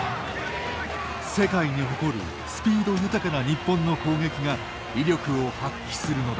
世界に誇るスピード豊かな日本の攻撃が威力を発揮するのだ。